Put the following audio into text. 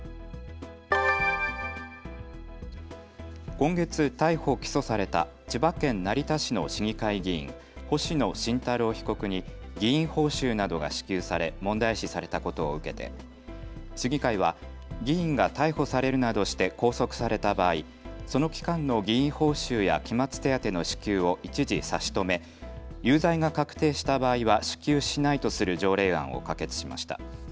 今月逮捕・起訴された千葉県成田市の市議会議員、星野慎太郎被告に議員報酬などが支給され問題視されたことを受けて市議会は議員が逮捕されるなどして拘束された場合、その期間の議員報酬や期末手当の支給を一時差し止め、有罪が確定した場合は支給しないとする条例案を可決しました。